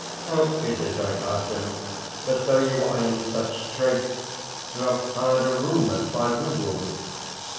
"How is it," I asked him, "that, though you are in such straits, you have hired a room at five roubles?"